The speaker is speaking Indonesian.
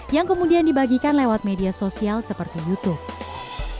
yang kemudian dibagikan lewat media sosial seperti youtube